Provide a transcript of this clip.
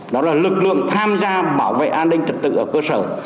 đó là lực lượng tham gia bảo vệ an ninh trật tự ở cơ sở